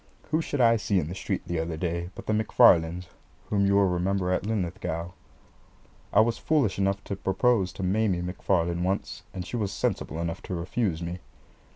Who should I see in the street the other day but the McFarlanes, whom you will remember at Linlithgow? I was foolish enough to propose to Maimie McFarlane once, and she was sensible enough to refuse me.